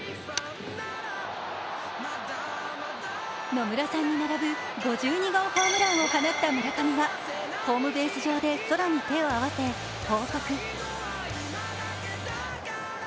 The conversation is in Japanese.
野村さんに並ぶ５２号ホームランを放った村上はホームベース上で空に手を合わせ、報告。